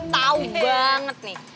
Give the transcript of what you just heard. gue tau banget nih